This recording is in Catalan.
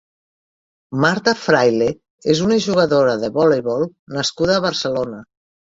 Marta Fraile és una jugadora de voleivol nascuda a Barcelona.